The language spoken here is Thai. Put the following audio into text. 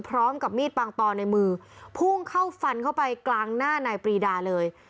พร้อมกับมีดบางตอนในมือพุ่งเข้าฟันเข้าไปกลางหน้านายปรีดาเลย